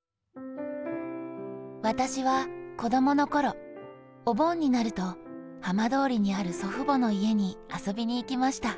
「私は、子どものころ、お盆になると浜通りにある祖父母の家に遊びに行きました」。